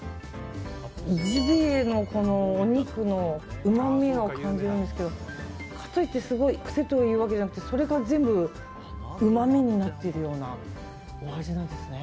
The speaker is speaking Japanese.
ジビエのお肉のうまみを感じるんですけどかといってすごい癖というわけではなくてそれが全部うまみになっているようなお味なんですね。